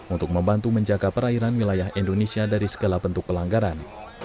untuk membantu menjaga perairan wilayah indonesia dari segala bentuk pelanggaran